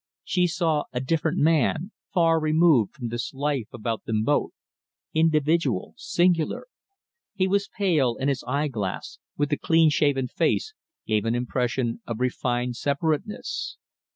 She saw a different man, far removed from this life about them both individual, singular. He was pale, and his eye glass, with the cleanshaven face, gave an impression of refined separateness.